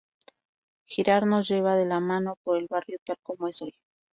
Giran nos lleva de la mano por el barrio tal como es hoy.